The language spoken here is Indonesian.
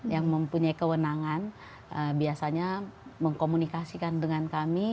yang mempunyai kewenangan biasanya mengkomunikasikan dengan kami